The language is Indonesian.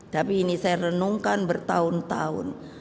tapi ini saya renungkan bertahun tahun